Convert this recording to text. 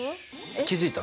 気付いた？